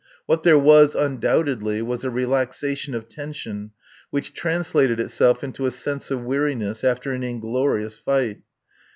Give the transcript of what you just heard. What there was, undoubtedly, was a relaxation of tension which translated itself into a sense of weariness after an inglorious fight.